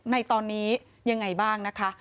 ในตอนนี้ยังไงบ้างนะคะ